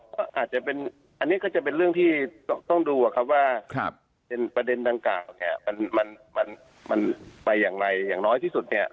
ก็อาจจะเป็นอันนี้ก็จะเป็นเรื่องที่ต้องดูครับว่าประเด็นดังกล่าวเนี่ยมันไปอย่างไรอย่างน้อยที่สุดเนี่ย